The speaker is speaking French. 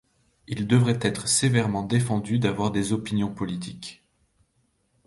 Il devrait être sévèrement défendu d’avoir des opinions politiques.